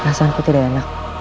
rasaku tidak enak